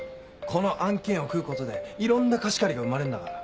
この案件を食うことでいろんな貸し借りが生まれんだから。